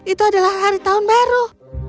itu adalah hari tahun baru